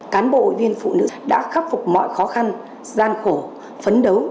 cán bộ viên phụ nữ đã khắc phục mọi khó khăn gian khổ phấn đấu